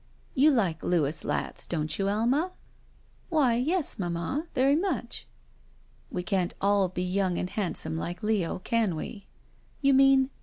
You like Louis Latz, don't you, Alma?" Why, yes, mamma. Very much." 'We can't all be yotmg and handsome like Leo, can we?" "You mean—?"